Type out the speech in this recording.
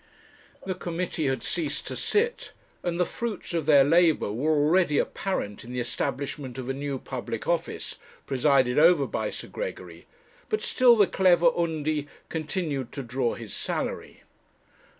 The committee had ceased to sit, and the fruits of their labour were already apparent in the establishment of a new public office, presided over by Sir Gregory; but still the clever Undy continued to draw his salary.